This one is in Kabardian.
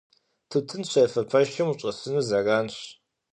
Тутын щефэ пэшым ущӀэсыну зэранщ.